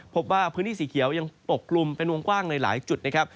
พบว่าพื้นที่สีเขียวยังปกกลุ่มเป็นวงกว้างในหลายจุดนะครับ